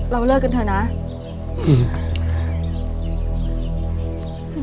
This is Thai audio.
เราเลิกกันเถอะนะ